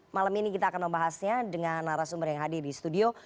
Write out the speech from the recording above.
malam ini kita akan membahasnya dengan narasumber yang hadir di studio